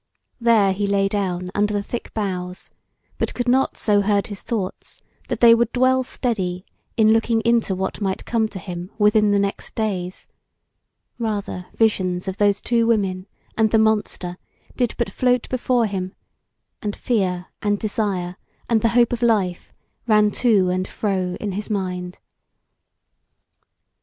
There he lay down under the thick boughs, but could not so herd his thoughts that they would dwell steady in looking into what might come to him within the next days; rather visions of those two women and the monster did but float before him, and fear and desire and the hope of life ran to and fro in his mind.